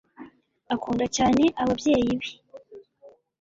Akunda cyane ababyeyi be